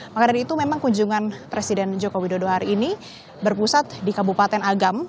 maka dari itu memang kunjungan presiden joko widodo hari ini berpusat di kabupaten agam